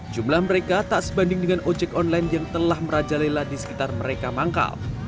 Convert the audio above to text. jumlah mereka tak sebanding dengan ojek online yang telah merajalela di sekitar mereka manggal